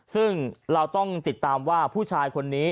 ซึ่งเราต้องติดตามว่าผู้ชายคนนี้